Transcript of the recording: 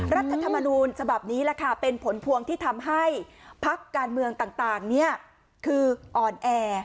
รัฐธรรมนูญฉบับนี้แหละค่ะเป็นผลพวงที่ทำให้พักการเมืองต่างคืออ่อนแอ